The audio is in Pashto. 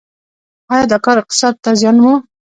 آیا دا کار اقتصاد ته زیان و؟